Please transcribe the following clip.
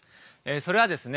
それはですね